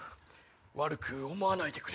悪く思わないでくれ。